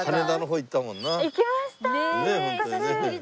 行きました！